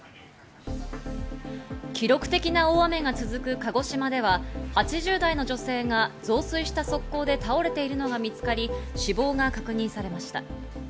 記録的な大雨が続く鹿児島では８０代の女性が増水してる側溝で倒れているのが見つかり、死亡が確認されました。